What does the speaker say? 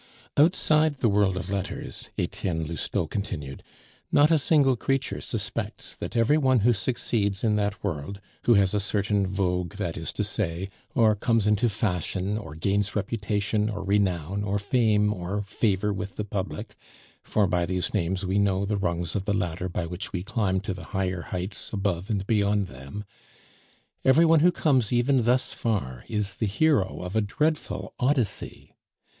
"Outside the world of letters," Etienne Lousteau continued, "not a single creature suspects that every one who succeeds in that world who has a certain vogue, that is to say, or comes into fashion, or gains reputation, or renown, or fame, or favor with the public (for by these names we know the rungs of the ladder by which we climb to the higher heights above and beyond them), every one who comes even thus far is the hero of a dreadful Odyssey.